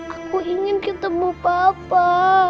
aku ingin ketemu papa